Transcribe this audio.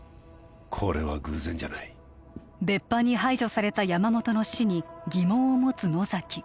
これは偶然じゃない別班に排除された山本の死に疑問を持つ野崎